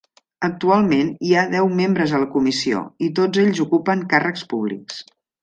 Actualment hi ha deu membres a la Comissió, i tots ells ocupen càrrecs públics.